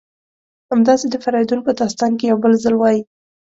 همداسې د فریدون په داستان کې یو بل ځل وایي: